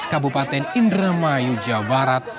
kabupaten indramayu jawa barat